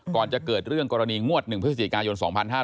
ก่อนจะเกิดเรื่องกรณีงวด๑พฤศจิกายน๒๕๕๙